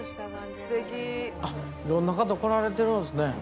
いろんな方来られてるんすね。